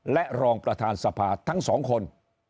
และรองประธานสภาทั้งสองคน